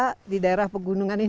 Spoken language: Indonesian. saya tidak pernah ke restoran pintar